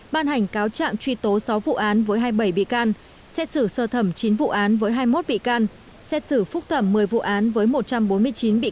ban hành cáo trạng truy tố sáu vụ án với hai mươi bảy bị can xét xử sơ thẩm chín vụ án với hai mươi một bị can xét xử phúc thẩm một mươi vụ án với một trăm bốn mươi chín bị can